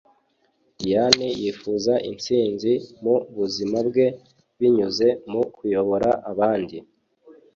Diane yifuza intsinzi mu buzima bwe binyuze mu kuyobora abandi